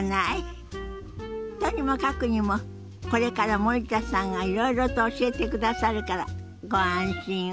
とにもかくにもこれから森田さんがいろいろと教えてくださるからご安心を。